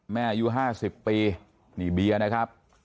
อายุ๕๐ปีนี่เบียร์นะครับ